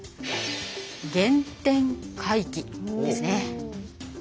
原点回帰ですね。